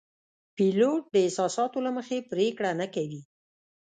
پیلوټ د احساساتو له مخې پرېکړه نه کوي.